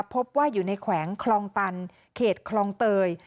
พบว่าอยู่ในแขวงคลองตันเขตคลองเตย